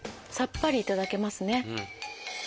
さっぱりいただけますね。